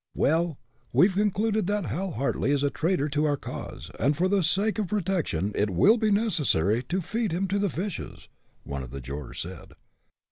"Well, we've concluded that Hal Hartly is a traitor to our cause, and for the sake of protection it will be necessary to feed him to the fishes!" one of the jurors said.